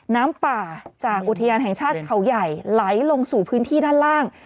น้ำป่าจากอุทยานแห่งชาติเขาใหญ่ไหลลงสู่พื้นที่ด้านล่าง